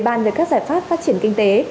bàn về các giải pháp phát triển kinh tế